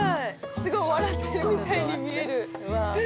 すごい笑ってるみたいに見える。